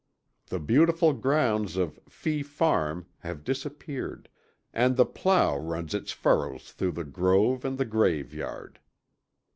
The beautiful grounds of "FEE FARM" have disappeared, and the plough runs its furrows through the grove, and the grave yard.".